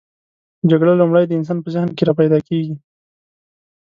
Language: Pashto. جګړه لومړی د انسان په ذهن کې راپیداکیږي.